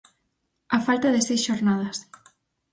Á falta de seis xornadas.